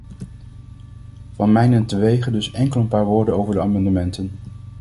Van mijnentwege dus enkel een paar woorden over de amendementen.